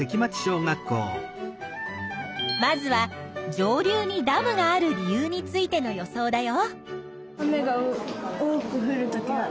まずは上流にダムがある理由についての予想だよ。